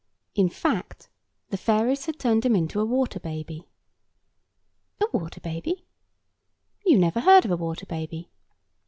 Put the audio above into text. In fact, the fairies had turned him into a water baby. A water baby? You never heard of a water baby.